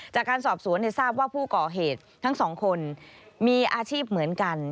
จากการสอบสวนทราบว่าผู้ก่อเหตุทั้งสองคนมีอาชีพเหมือนกัน